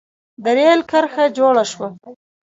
د رېل کرښه جوړه شوه.